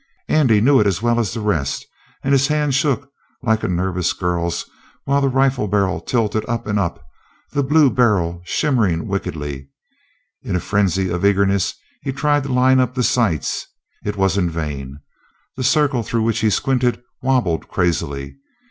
Andy knew it as well as the rest, and his hand shook like a nervous girl's, while the rifle barrel tilted up and up, the blue barrel shimmering wickedly. In a frenzy of eagerness he tried to line up the sights. It was in vain. The circle through which he squinted wobbled crazily.